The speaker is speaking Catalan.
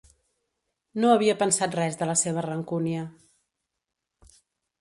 No havia pensat res de la seva rancúnia.